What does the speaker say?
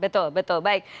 betul betul baik